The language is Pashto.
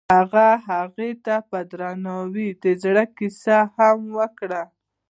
هغه هغې ته په درناوي د زړه کیسه هم وکړه.